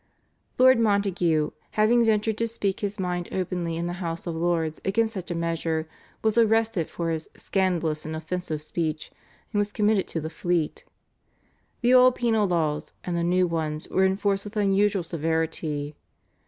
Lord Montague, having ventured to speak his mind openly in the House of Lords against such a measure, was arrested for his "scandalous and offensive speech," and was committed to the Fleet. The old penal laws and the new ones were enforced with unusual severity.